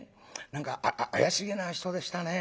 何か怪しげな人でしたね。